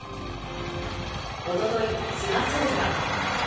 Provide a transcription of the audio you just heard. おととい、菅総理は。